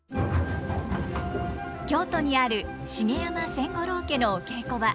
京都にある茂山千五郎家のお稽古場。